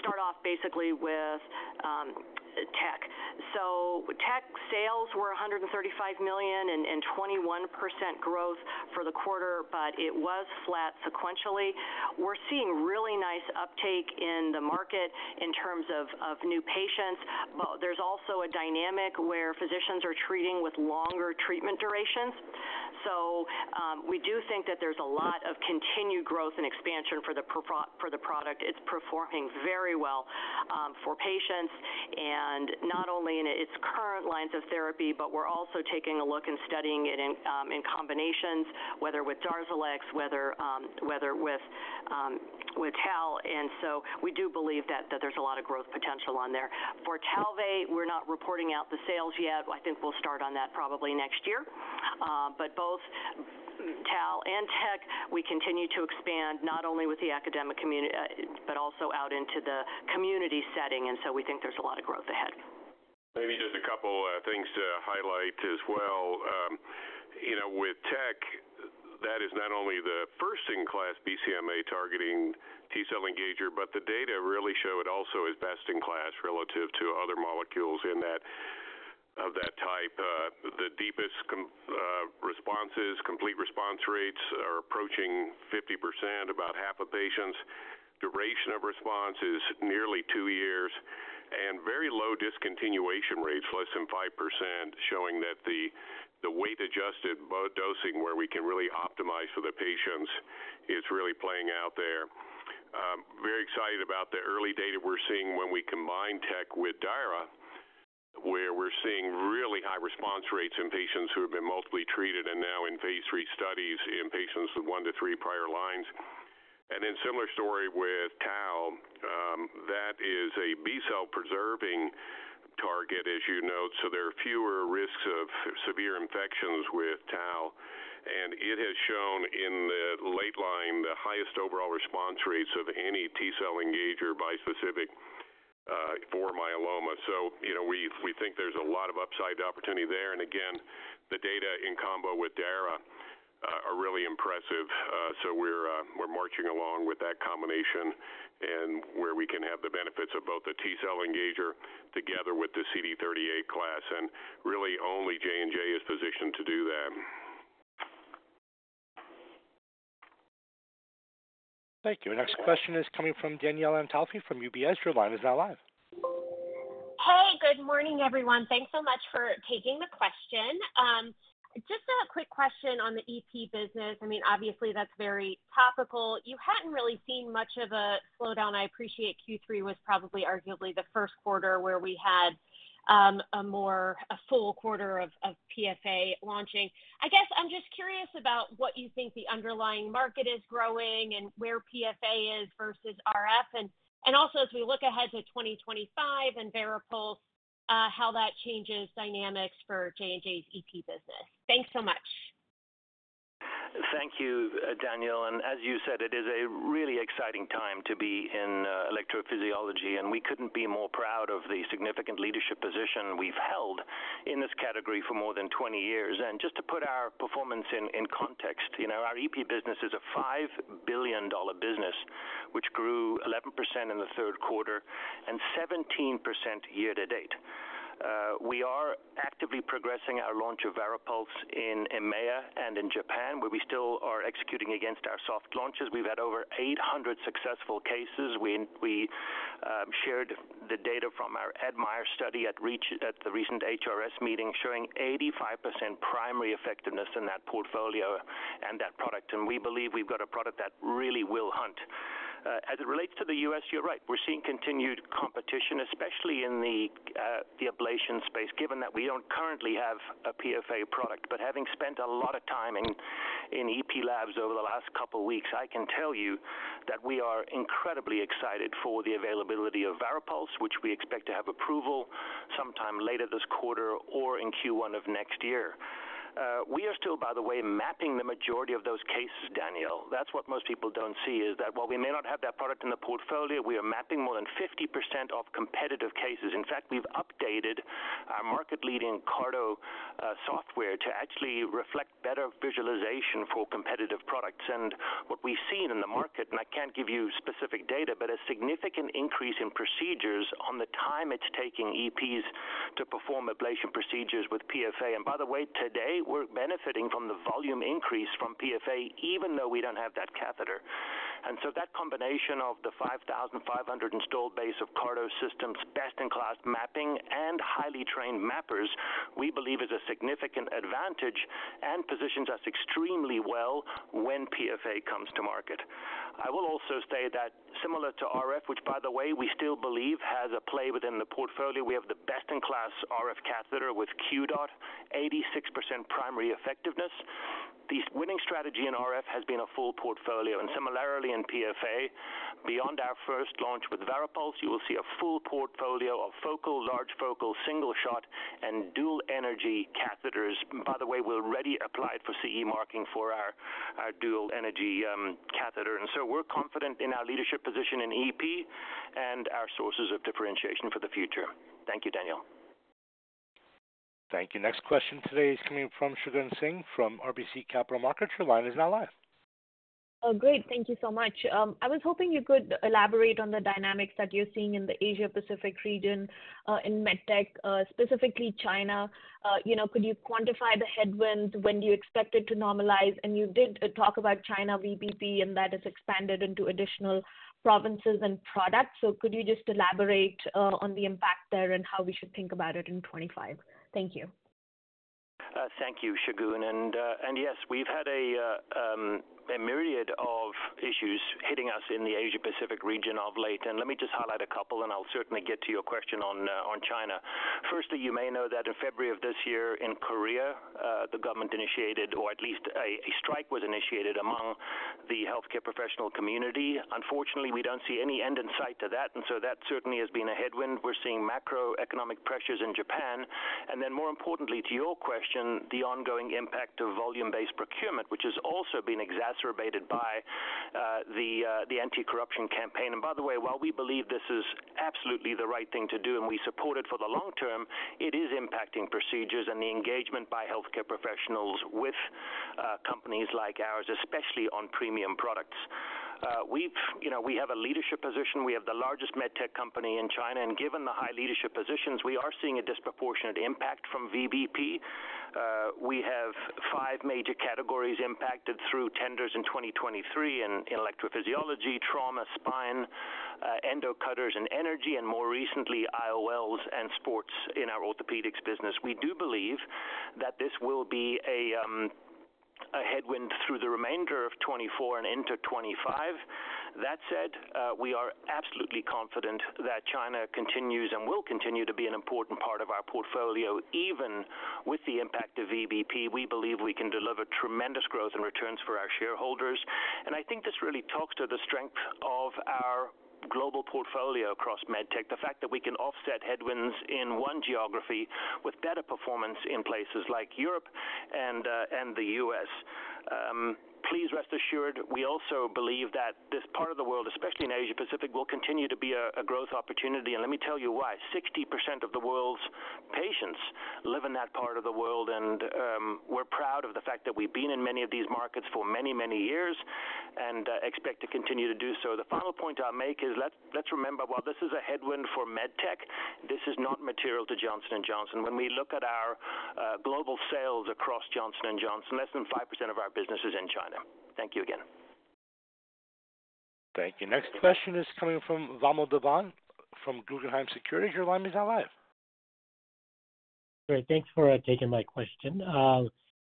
start off basically with Tecvayli. Tecvayli sales were $135 million and 21% growth for the quarter, but it was flat sequentially. We're seeing really nice uptake in the market in terms of new patients. There's also a dynamic where physicians are treating with longer treatment durations. We do think that there's a lot of continued growth and expansion for the product. It's performing very well for patients and not only in its current lines of therapy, but we're also taking a look and studying it in combinations, whether with Darzalex, whether with Talvey. We do believe that there's a lot of growth potential ahead. For Talvey, we're not reporting out the sales yet. I think we'll start on that probably next year. Both Talvey and Tecvayli, we continue to expand not only with the academic community, but also out into the community setting. And so, we think there's a lot of growth ahead. Maybe just a couple of things to highlight as well. With Tecvayli, that is not only the first-in-class BCMA targeting T-cell engager, but the data really show it also is best in class relative to other molecules of that type. The deepest responses, complete response rates are approaching 50%, about half of patients. Duration of response is nearly two years. And very low discontinuation rates, less than 5%, showing that the weight-adjusted dosing where we can really optimize for the patients is really playing out there. Very excited about the early data we're seeing when we combine Tecvayli with Darzalex, where we're seeing really high response rates in patients who have been multiply treated and now in phase III studies in patients with one to three prior lines. And then similar story with Talvey. That is a B-cell preserving target, as you note. So, there are fewer risks of severe infections with Talvey. And it has shown in the late line the highest overall response rates of any T-cell engager bispecific for myeloma. So, we think there's a lot of upside opportunity there. And again, the data in combo with Darzalex are really impressive. So, we're marching along with that combination and where we can have the benefits of both the T-cell engager together with the CD38 class. And really, only J&J is positioned to do that. Thank you. Next question is coming from Danielle Antalffy from UBS. Your line is now live. Hey, good morning, everyone. Thanks so much for taking the question. Just a quick question on the EP business. I mean, obviously, that's very topical. You hadn't really seen much of a slowdown. I appreciate Q3 was probably arguably the Q1 where we had a more full quarter of PFA launching. I guess I'm just curious about what you think the underlying market is growing and where PFA is versus RF. And also, as we look ahead to 2025 and Varipulse, how that changes dynamics for J&J's EP business. Thanks so much. Thank you, Danielle. And as you said, it is a really exciting time to be in electrophysiology. And we couldn't be more proud of the significant leadership position we've held in this category for more than 20 years. And just to put our performance in context, our EP business is a $5 billion business, which grew 11% in the Q3 and 17% year to date. We are actively progressing our launch of Varipulse in EMEA and in Japan, where we still are executing against our soft launches. We've had over 800 successful cases. We shared the data from our admIRE study at the recent HRS meeting showing 85% primary effectiveness in that portfolio and that product. And we believe we've got a product that really will hunt. As it relates to the US, you're right. We're seeing continued competition, especially in the ablation space, given that we don't currently have a PFA product. But having spent a lot of time in EP labs over the last couple of weeks, I can tell you that we are incredibly excited for the availability of Varipulse, which we expect to have approval sometime later this quarter or in Q1 of next year. We are still, by the way, mapping the majority of those cases, Danielle. That's what most people don't see, is that while we may not have that product in the portfolio, we are mapping more than 50% of competitive cases. In fact, we've updated our market-leading CARTO software to actually reflect better visualization for competitive products. And what we've seen in the market, and I can't give you specific data, but a significant increase in procedures on the time it's taking EPs to perform ablation procedures with PFA. And by the way, today, we're benefiting from the volume increase from PFA, even though we don't have that catheter. And so, that combination of the 5,500 installed base of CARTO systems, best-in-class mapping and highly trained mappers, we believe is a significant advantage and positions us extremely well when PFA comes to market. I will also say that similar to RF, which, by the way, we still believe has a play within the portfolio, we have the best-in-class RF catheter with QDOT, 86% primary effectiveness. The winning strategy in RF has been a full portfolio. And similarly in PFA, beyond our first launch with Varipulse, you will see a full portfolio of focal, large focal, single shot, and dual energy catheters. By the way, we're already applied for CE marking for our dual energy catheter. And so, we're confident in our leadership position in EP and our sources of differentiation for the future. Thank you, Danielle. Thank you. Next question today is coming from Shagun Singh from RBC Capital Markets. Your line is now live. Oh, great. Thank you so much. I was hoping you could elaborate on the dynamics that you're seeing in the Asia-Pacific region in med tech, specifically China. Could you quantify the headwinds? When do you expect it to normalize? And you did talk about China VBP, and that has expanded into additional provinces and products. So, could you just elaborate on the impact there and how we should think about it in 2025? Thank you. Thank you, Shagun. And yes, we've had a myriad of issues hitting us in the Asia-Pacific region of late. And let me just highlight a couple, and I'll certainly get to your question on China. Firstly, you may know that in February of this year in Korea, the government initiated, or at least a strike was initiated among the healthcare professional community. Unfortunately, we don't see any end in sight to that. And so, that certainly has been a headwind. We're seeing macroeconomic pressures in Japan. And then, more importantly to your question, the ongoing impact of volume-based procurement, which has also been exacerbated by the anti-corruption campaign. And by the way, while we believe this is absolutely the right thing to do and we support it for the long term, it is impacting procedures and the engagement by healthcare professionals with companies like ours, especially on premium products. We have a leadership position. We have the largest med tech company in China. And given the high leadership positions, we are seeing a disproportionate impact from VBP. We have five major categories impacted through tenders in 2023 in electrophysiology, trauma, spine, endocutters, and energy, and more recently, IOLs and sports in our orthopedics business. We do believe that this will be a headwind through the remainder of 2024 and into 2025. That said, we are absolutely confident that China continues and will continue to be an important part of our portfolio. Even with the impact of VBP, we believe we can deliver tremendous growth and returns for our shareholders, and I think this really talks to the strength of our global portfolio across MedTech, the fact that we can offset headwinds in one geography with better performance in places like Europe and the U.S. Please rest assured, we also believe that this part of the world, especially in Asia-Pacific, will continue to be a growth opportunity, and let me tell you why. 60% of the world's patients live in that part of the world, and we're proud of the fact that we've been in many of these markets for many, many years and expect to continue to do so. The final point I'll make is let's remember, while this is a headwind for med tech, this is not material to Johnson & Johnson. When we look at our global sales across Johnson & Johnson, less than 5% of our business is in China. Thank you again. Thank you. Next question is coming from Vamil Divan from Guggenheim Securities. Your line is now live. Great. Thanks for taking my question. I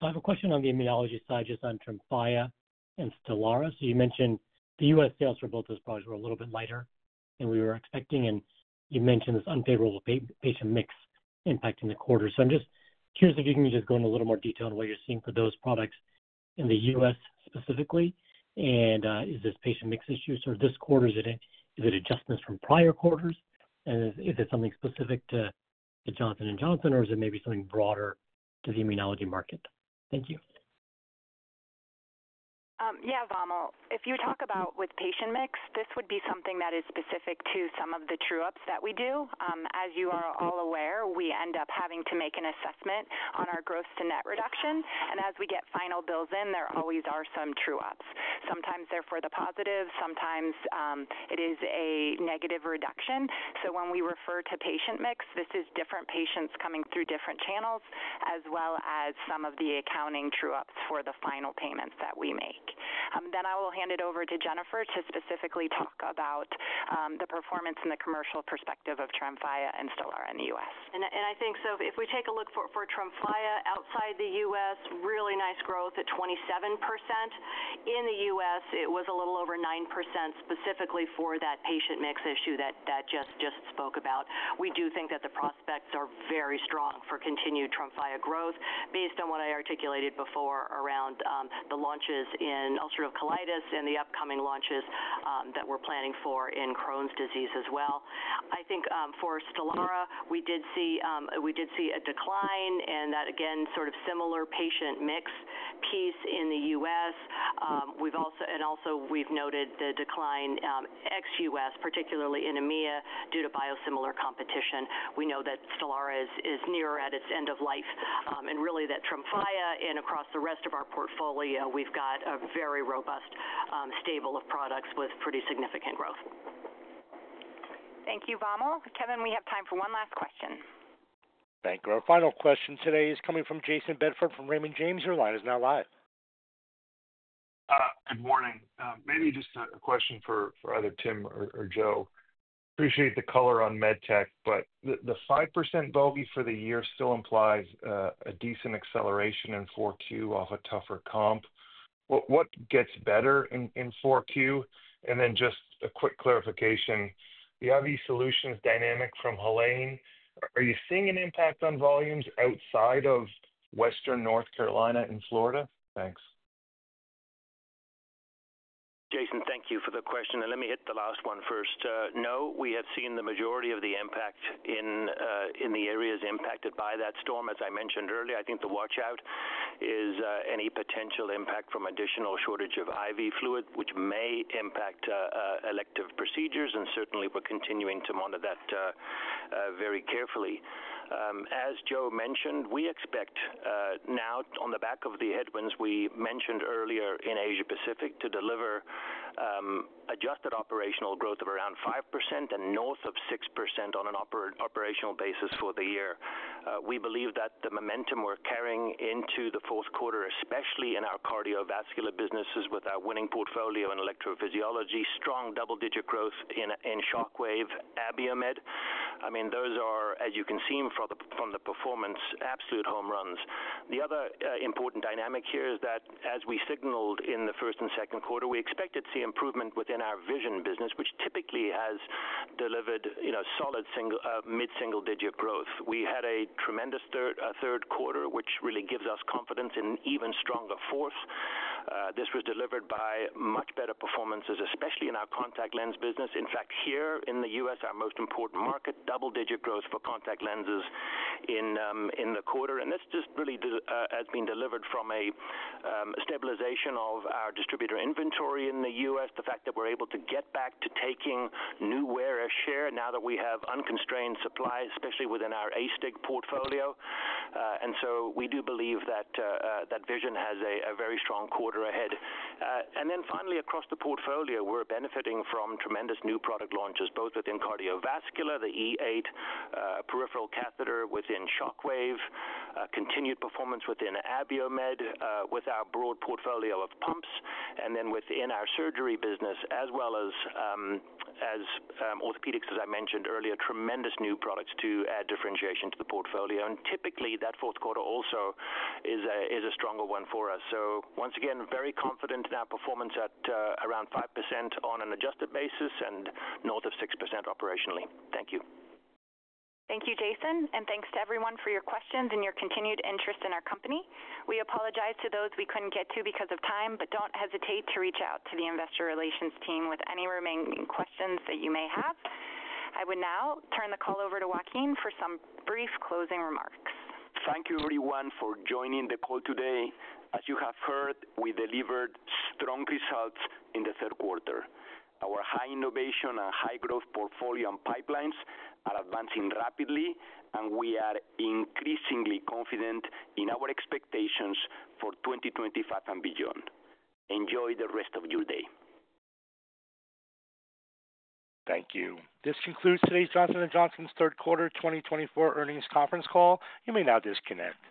have a question on the immunology side just on Tremfya and Stelara. So, you mentioned the U.S. sales for both those products were a little bit lighter than we were expecting. And you mentioned this unfavorable patient mix impacting the quarter. So, I'm just curious if you can just go into a little more detail on what you're seeing for those products in the U.S. specifically. And is this patient mix issue? So, this quarter, is it adjustments from prior quarters? And is it something specific to Johnson & Johnson, or is it maybe something broader to the immunology market? Thank you. Yeah, Vamil. If you talk about with patient mix, this would be something that is specific to some of the true-ups that we do. As you are all aware, we end up having to make an assessment on our gross-to-net reduction. And as we get final bills in, there always are some true-ups. Sometimes they're for the positive. Sometimes it is a negative reduction. So, when we refer to patient mix, this is different patients coming through different channels as well as some of the accounting true-ups for the final payments that we make. Then I will hand it over to Jennifer to specifically talk about the performance and the commercial perspective of Tremfya and Stelara in the U.S. And I think so. If we take a look for Tremfya outside the U.S., really nice growth at 27%. In the U.S., it was a little over 9% specifically for that patient mix issue that I just spoke about. We do think that the prospects are very strong for continued Tremfya growth based on what I articulated before around the launches in Ulcerative Colitis and the upcoming launches that we're planning for in Crohn's Disease as well. I think for Stelara, we did see a decline. And that, again, sort of similar patient mix piece in the U.S. And also, we've noted the decline ex-U.S., particularly in EMEA due to biosimilar competition. We know that Stelara is nearer at its end of life. And really, that Tremfya and across the rest of our portfolio, we've got a very robust stable of products with pretty significant growth. Thank you, Vamil. Kevin, we have time for one last question. Thank you. Our final question today is coming from Jayson Bedford from Raymond James. Your line is now live. Good morning. Maybe just a question for either Tim or Joe. Appreciate the color on MedTech, but the 5% bogey for the year still implies a decent acceleration in 4Q off a tougher comp. What gets better in 4Q? And then just a quick clarification. The IV solutions dynamic from Helene, are you seeing an impact on volumes outside of Western North Carolina and Florida? Thanks. Jason, thank you for the question. And let me hit the last one first. No, we have seen the majority of the impact in the areas impacted by that storm, as I mentioned earlier. I think the watch-out is any potential impact from additional shortage of IV fluid, which may impact elective procedures. Certainly, we're continuing to monitor that very carefully. As Joe mentioned, we expect now on the back of the headwinds we mentioned earlier in Asia-Pacific to deliver adjusted operational growth of around 5% and north of 6% on an operational basis for the year. We believe that the momentum we're carrying into the Q4, especially in our cardiovascular businesses with our winning portfolio in electrophysiology, strong double-digit growth in Shockwave, Abiomed. I mean, those are, as you can see from the performance, absolute home runs. The other important dynamic here is that, as we signaled in the first and Q2, we expected to see improvement within our vision business, which typically has delivered solid mid-single-digit growth. We had a tremendous Q3, which really gives us confidence in an even stronger fourth. This was delivered by much better performances, especially in our contact lens business. In fact, here in the U.S., our most important market, double-digit growth for contact lenses in the quarter, and this just really has been delivered from a stabilization of our distributor inventory in the U.S., the fact that we're able to get back to taking new wear as share now that we have unconstrained supply, especially within our Astig portfolio, and so we do believe that vision has a very strong quarter ahead, and then finally, across the portfolio, we're benefiting from tremendous new product launches, both within cardiovascular, the E8 peripheral catheter within Shockwave, continued performance within Abiomed with our broad portfolio of pumps, and then within our surgery business as well as orthopedics, as I mentioned earlier, tremendous new products to add differentiation to the portfolio, and typically, that Q4 also is a stronger one for us. So, once again, very confident in our performance at around 5% on an adjusted basis and north of 6% operationally. Thank you. Thank you, Jason. And thanks to everyone for your questions and your continued interest in our company. We apologize to those we couldn't get to because of time, but don't hesitate to reach out to the investor relations team with any remaining questions that you may have. I would now turn the call over to Joaquin for some brief closing remarks. Thank you, everyone, for joining the call today. As you have heard, we delivered strong results in the Q3. Our high innovation and high growth portfolio and pipelines are advancing rapidly, and we are increasingly confident in our expectations for 2025 and beyond. Enjoy the rest of your day. Thank you. This concludes today's Johnson & Johnson's Q3 2024 earnings conference call. You may now disconnect.